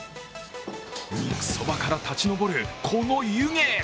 肉ソバから立ち上る、この湯気。